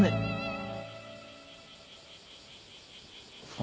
あ。